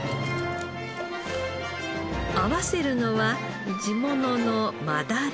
合わせるのは地物のマダラ。